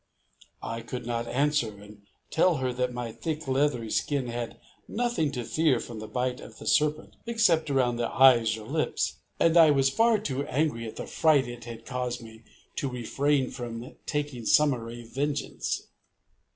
I could not answer and tell her that my thick leathery skin had nothing to fear from the bite of the serpent, except around the eyes or lips, and I was far too angry at the fright it had caused me to refrain from taking summary vengeance.